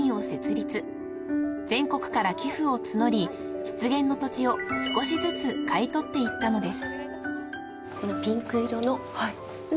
［全国から寄付を募り湿原の土地を少しずつ買い取っていったのです］